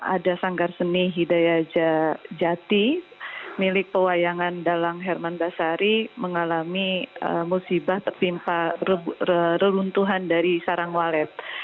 ada sanggar seni hidayah jati milik pewayangan dalang herman basari mengalami musibah tertimpa reruntuhan dari sarang walet